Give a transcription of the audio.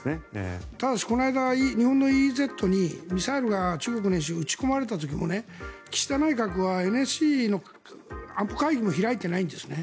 ただし、この間日本のＥＥＺに中国の演習でミサイルが撃ち込まれた時に岸田内閣はＮＳＣの安保会議も開いていないんですね。